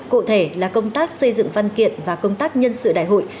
cụ thể là công tác xây dựng văn kiện và công tác nhân sự đại hội